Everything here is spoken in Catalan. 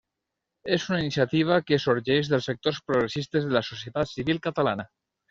És una iniciativa que sorgeix dels sectors progressistes de la societat civil catalana.